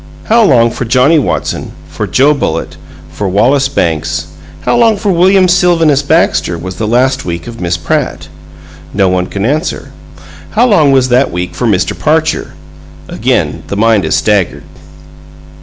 How long for Johnnie Watson, for Joe Bullitt, for Wallace Banks how long for William Sylvanus Baxter was the last week of Miss Pratt? No one can answer. How long was that week for Mr. Parcher? Again the mind is staggered.